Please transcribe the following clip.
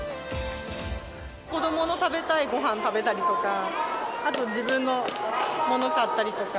子どもの食べたいごはん食べたりとか、あと自分のもの買ったりとか。